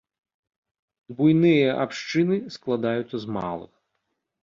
Буйныя абшчыны складаюцца з малых.